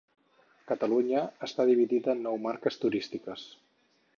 Catalunya està dividida en nou marques turístiques.